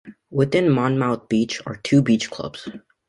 Within Monmouth Beach are two beach clubs.